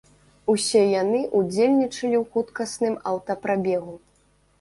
Усе яны ўдзельнічалі ў хуткасным аўтапрабегу.